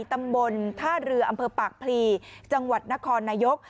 ตำบลท่าเรืออำเภอปากพลีจังหวัดนครนายก